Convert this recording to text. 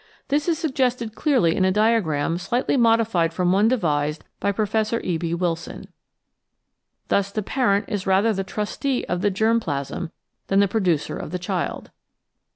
This is suggested clearly in a diagram slightly modified from one devised by Professor E. B. Wilson. Thus the parent is rather the trustee of the germ plasm than the producer of the child.